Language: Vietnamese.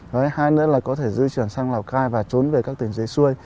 hai nữa là có thể di chuyển sang lào cai và trốn về các tỉnh dây xuôi